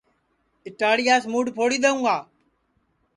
اِٹاڑِیاس مُوڈؔ پھوڑی دؔیؤں گا